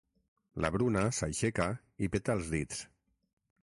La Bruna s'aixeca i peta els dits.